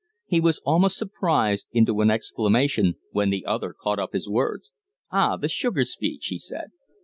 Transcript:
He was almost surprised into an exclamation when the other caught up his words. "Ah! The sugar speech!" he said.